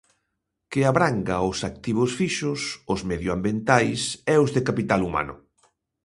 Que abranga os activos fixos, os medioambientais e os de capital humano.